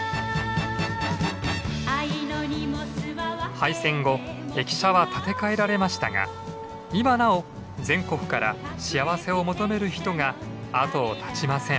廃線後駅舎は建て替えられましたが今なお全国から幸せを求める人が後を絶ちません。